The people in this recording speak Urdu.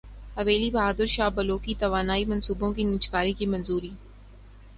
حویلی بہادر شاہ بلوکی توانائی منصوبوں کی نجکاری کی منظوری